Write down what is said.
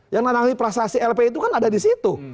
yang menangani prasasi lp itu kan ada di situ